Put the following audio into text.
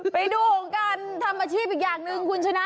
ไปดูของการทำอาชีพอีกอย่างหนึ่งคุณชนะ